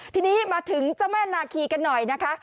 ทีนี้มาถึงเจ้าแม่นาคีกันหน่อยนะคะ